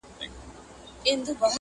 پاچهي دي مبارک سه چوروندکه!.